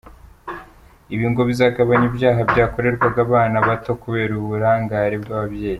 Ibi ngo bizagabanya ibyaha byakorerwaga abana bato kubera uburangare bw’ababyeyi.